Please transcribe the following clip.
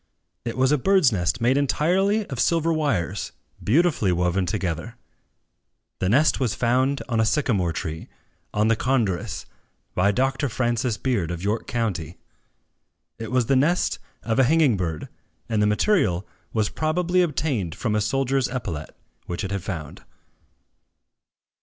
It was a birdsnest made entirely of silver wires, beautifully woven together. The nest was found on a sycamore tree, on the Condorus, by Dr. Francis Beard, of York county. It was the nest of a hanging bird; and the material was probably obtained from a soldier's epaulet, which it had found.